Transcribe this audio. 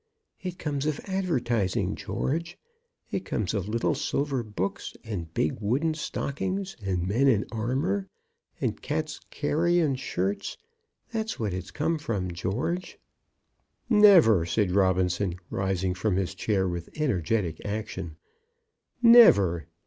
"It comes of advertising, George. It comes of little silver books, and big wooden stockings, and men in armour, and cats carrion shirts; that's what it's come from, George." "Never," said Robinson, rising from his chair with energetic action. "Never.